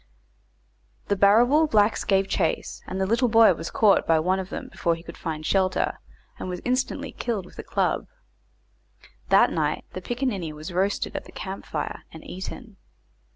The Barrabool blacks gave chase, and the little boy was caught by one of them before he could find shelter, and was instantly killed with a club. That night the picaninny was roasted at the camp fire, and eaten.